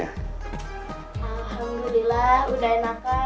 alhamdulillah udah enakan